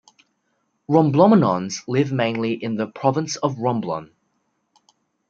Romblomanons live mainly in the province of Romblon.